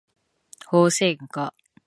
ホウセンカ